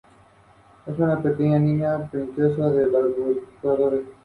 Sin embargo, las mujeres tenían el derecho a heredar propiedad.